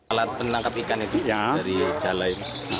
alat penangkap ikan itu dari calai